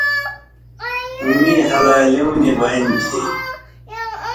مِیں ہلالیُوں نی بانیۡ تھی